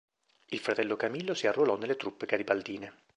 Il fratello Camillo si arruolò nelle truppe garibaldine.